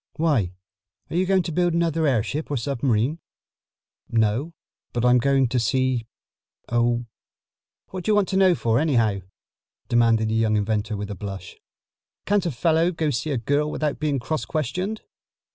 "Why, are you going to build another airship or submarine?" "No, but I'm going to see Oh, what do you want to know for, anyhow?" demanded the young inventor with a blush. "Can't a fellow go see a girl without being cross questioned?"